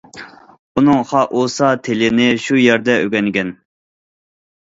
ئۇنىڭ خائۇسا تىلىنى شۇ يەردە ئۆگەنگەن.